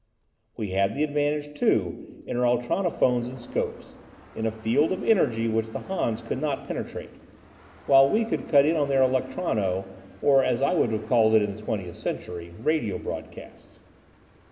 We had the advantage too, in our ultronophones and scopes, in a field of energy which the Hans could not penetrate, while we could cut in on their electrono or (as I would have called it in the Twentieth Century) radio broadcasts.